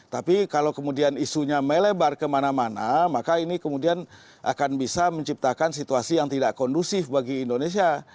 tapi kalau kemudian isunya melebar kemana mana maka ini kemudian akan bisa menciptakan situasi yang tidak kondusif bagi indonesia